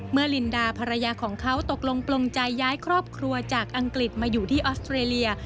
ลินดาภรรยาของเขาตกลงปลงใจย้ายครอบครัวจากอังกฤษมาอยู่ที่ออสเตรเลีย